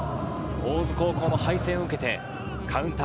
大津高校の敗戦を受けて、カウンター。